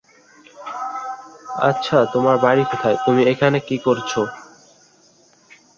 সেই মৌসুমে, Sunshine George Cross দলের পরিকল্পনার গুরুত্বপূর্ণ এক অংশ ছিলেন শ্রেষ্ঠ।